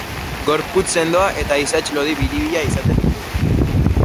Gorputz sendoa eta isats lodi biribila izaten ditu.